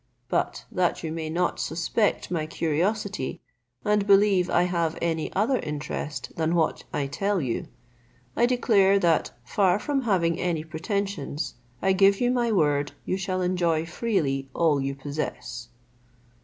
"But that you may not suspect my curiosity, and believe I have any other interest than what I tell you, I declare, that far from having any pretensions, I give you my word you shall enjoy freely all you possess."